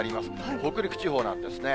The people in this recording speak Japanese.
北陸地方なんですね。